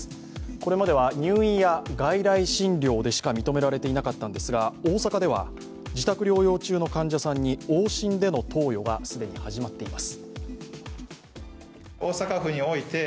これまでは入院や外来診療でしか認められていなかったんですが大阪では自宅療養中の患者さんに往診での投与が既に始まっています。